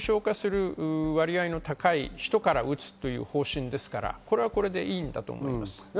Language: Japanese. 重症化する割合の高い人から打つという方針ですから、これはこれでいいんだと思います。